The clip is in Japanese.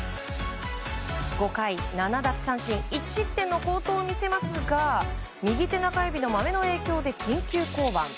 ５回、７奪三振１失点の好投を見せますが右手中指のマメの影響で緊急降板。